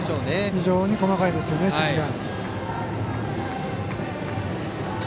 非常に細かいですね指示が。